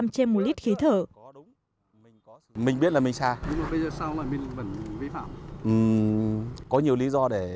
trên một lít thịt